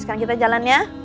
sekarang kita jalan ya